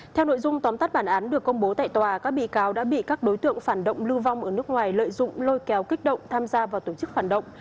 theo nội dung tóm tắt bản án được công bố tại tòa các bị cáo đã bị các đối tượng phản động lưu vong ở nước ngoài lợi dụng lôi kéo kích động tham gia vào tổ chức phản động